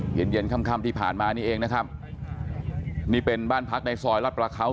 เย็นเย็นค่ำที่ผ่านมานี่เองนะครับนี่เป็นบ้านพักในซอยรัฐประเขา